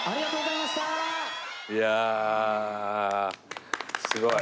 いやすごい。